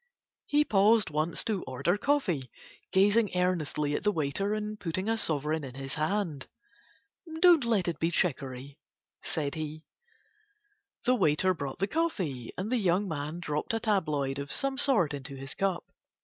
He paused once to order coffee, gazing earnestly at the waiter and putting a sovereign in his hand. "Don't let it be chicory," said he. The waiter brought the coffee, and the young man dropped a tabloid of some sort into his cup.